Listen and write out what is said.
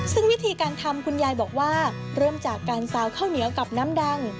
ซึ่งวิธีการทำคุณยายบอกว่าเริ่มจากการซาวข้าวเหนียวกับน้ำดัง